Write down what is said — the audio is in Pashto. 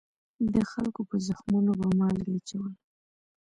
د خلکو په زخمونو به مالګې اچول.